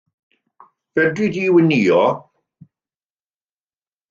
Fedri di wnïo?